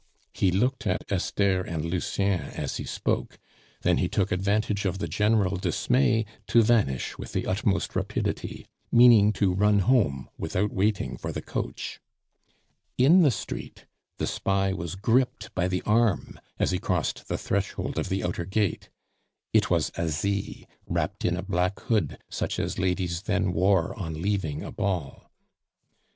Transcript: He looked at Esther and Lucien as he spoke, then he took advantage of the general dismay to vanish with the utmost rapidity, meaning to run home without waiting for the coach. In the street the spy was gripped by the arm as he crossed the threshold of the outer gate. It was Asie, wrapped in a black hood such as ladies then wore on leaving a ball.